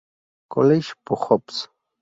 College Hoops".